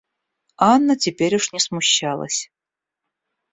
Анна теперь уж не смущалась.